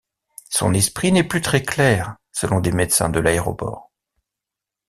Son esprit n'est plus très clair selon des médecins de l'aéroport.